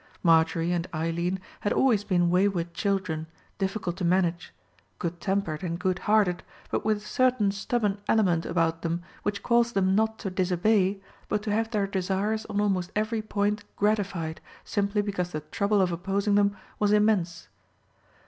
Marjorie and Eileen had always been wayward children, difficult to manage; good tempered and good hearted, but with a certain stubborn element about them which caused them not to disobey, but to have their desires on almost every point gratified, simply because the trouble of opposing them was immense.